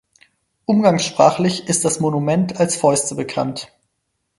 Umgangssprachlich ist das Monument als Fäuste bekannt.